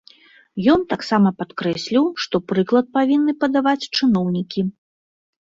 Ён таксама падкрэсліў, што прыклад павінны падаваць чыноўнікі.